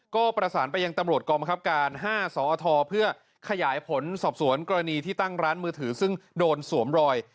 ก็ประสานไปยังตำรวจกองบังคับการ๕สอทเพื่อขยายผลสอบสวนกรณีที่ตั้งร้านมือถือซึ่งโดนสวมรอย